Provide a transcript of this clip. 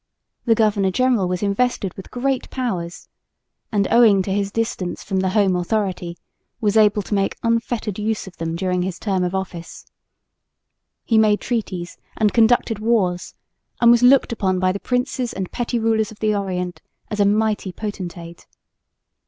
The governor general was invested with great powers and, owing to his distance from the home authority, was able to make unfettered use of them during his term of office. He made treaties and conducted wars and was looked upon by the princes and petty rulers of the Orient as a mighty potentate.